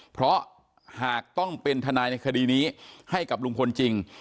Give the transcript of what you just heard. เพราะหากต้องเป็นทนายในคดีนี้ให้กับลุงพลจริง